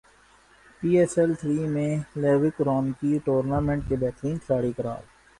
پی S L three میں Luke Ronchi tournament کے بہترین کھلاڑی قرار